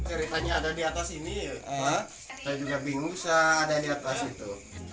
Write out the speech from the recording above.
ceritanya ada di atas ini saya juga bingung saya ada yang di atas itu